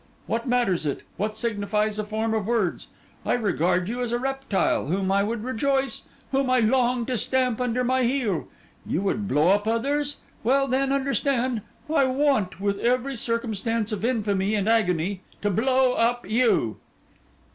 what matters it? what signifies a form of words? I regard you as a reptile, whom I would rejoice, whom I long, to stamp under my heel. You would blow up others? Well then, understand: I want, with every circumstance of infamy and agony, to blow up you!